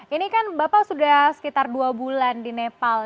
ini kan bapak sudah sekitar dua bulan di nepal